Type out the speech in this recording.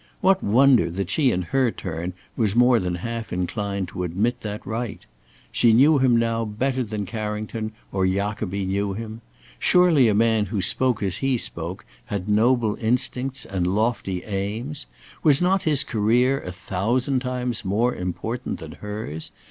What wonder that she in her turn was more than half inclined to admit that right. She knew him now better than Carrington or Jacobi knew him. Surely a man who spoke as he spoke, had noble instincts and lofty aims? Was not his career a thousand times more important than hers?